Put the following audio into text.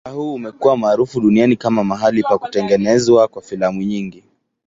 Mtaa huu umekuwa maarufu duniani kama mahali pa kutengenezwa kwa filamu nyingi.